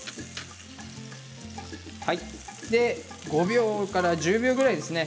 ５秒から１０秒ぐらいですね。